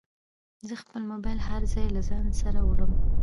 زه خپل موبایل هر ځای له ځانه سره وړم.